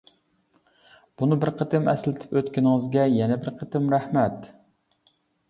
بۇنى بىر قېتىم ئەسلىتىپ ئۆتكىنىڭىزگە يەنە بىر قېتىم رەھمەت.